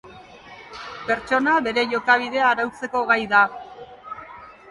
Pertsona bere jokabidea arautzeko gai da